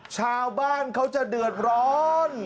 ชาวบ้านเขาจะเดือดร้อน